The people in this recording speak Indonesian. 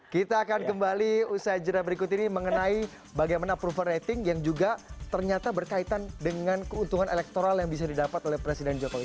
kita akan kembali usai jera berikut ini mengenai bagaimana approval rating yang juga ternyata berkaitan dengan keuntungan elektoral yang bisa didapat oleh presiden jokowi